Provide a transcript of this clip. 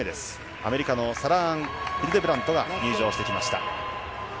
アメリカのサラ・アン・ヒルデブラントが入場してきました。